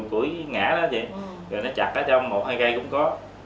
củi ngã đó vậy rồi nó chặt ở trong một hai cây cũng có